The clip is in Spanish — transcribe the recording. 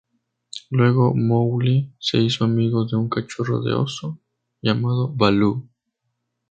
Luego Mowgli se hizo amigo de un cachorro de oso llamado Baloo.